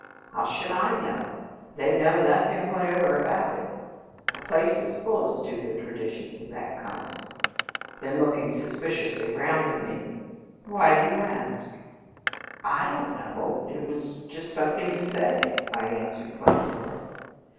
"How should I know? They know nothing whatever about it. The place is full of stupid traditions of that kind." Then, looking suspiciously round at me, "Why do you ask?" "I don't know; it was just something to say," I answered plaintively.